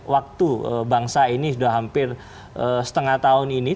waktu bangsa ini sudah hampir setengah tahun ini